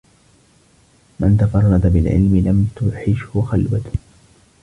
مَنْ تَفَرَّدَ بِالْعِلْمِ لَمْ تُوحِشْهُ خَلْوَةٌ